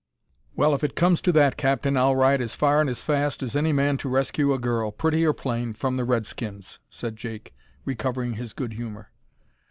"Well, if it comes to that, Captain, I'll ride as far and as fast as any man to rescue a girl, pretty or plain, from the Redskins," said Jake, recovering his good humour.